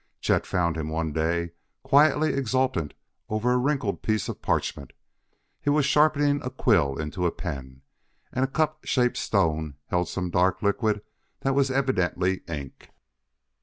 Chet found him one day quietly exultant over a wrinkled piece of parchment. He was sharpening a quill into a pen, and a cup shaped stone held some dark liquid that was evidently ink.